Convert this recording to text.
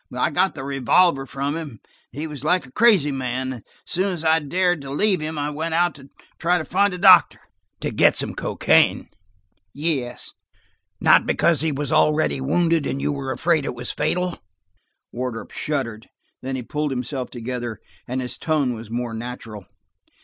I got the revolver from him–he was like a crazy man, and as soon as I dared to leave him, I went out to try and find a doctor–" "To get some cocaine?" "Yes." "Not–because he was already wounded, and you were afraid it was fatal?" Wardrop shuddered; then he pulled himself together, and his tone was more natural.